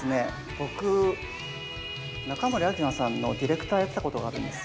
僕中森明菜さんのディレクターやってたことがあるんです。